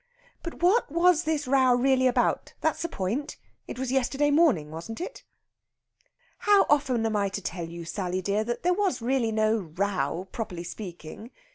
But what was this row really about, that's the point? It was yesterday morning, wasn't it?" "How often am I to tell you, Sally dear, that there was really no row, property speaking.